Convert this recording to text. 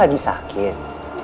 tante dewi lagi sakit